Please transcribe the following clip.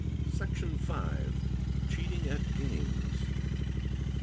Section v.—Cheating at Games